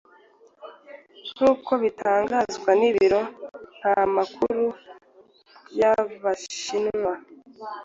nkuko bitangazwa n’Ibiro ntamakuru by’Abashinwa